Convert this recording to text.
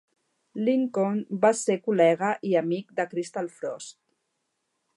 Lincoln va ser col·lega i amic de Crystal Frost.